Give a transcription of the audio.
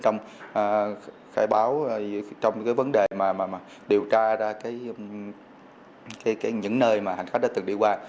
trong khai báo trong vấn đề điều tra ra những nơi hành khách đã từng đi qua